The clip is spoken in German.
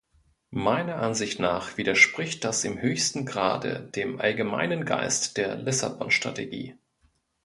Meiner Ansicht nach widerspricht das in höchstem Grade dem allgemeinen Geist der Lissabon-Strategie.